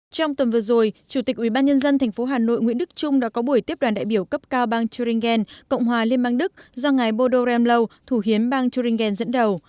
trong tuần vừa rồi chủ tịch ubnd tp hà nội nguyễn đức trung đã có buổi tiếp đoàn đại biểu cấp cao bang thuringen cộng hòa liên bang đức do ngài bodo raem lou thủ hiến bang thuringen dẫn đầu